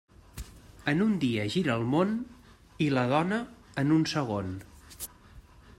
En un dia gira el món, i la dona en un segon.